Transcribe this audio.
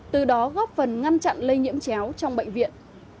từ đó góp phần ngăn chặn lây nhiễm chéo trong bệnh viện